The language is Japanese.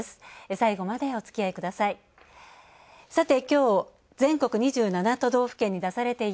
最後まで、おつきあいください。